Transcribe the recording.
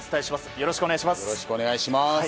よろしくお願いします。